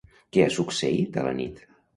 Què ha succeït a la nit?